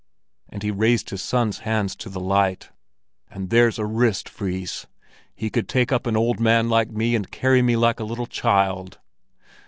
And he raised his son's hands to the light. "And there's a wrist, Fris! He could take up an old man like me and carry me like a little child."